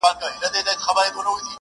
تا راته نه ويل چي نه کوم ضديت شېرينې